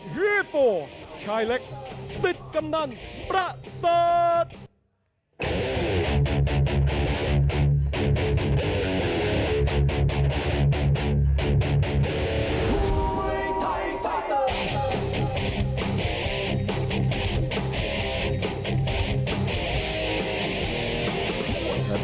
และ๒๔ชายเล็กสิทธิ์กำนันประสัตว์